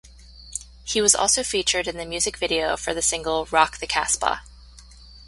He was also featured in the music video for the single, Rock the Casbah.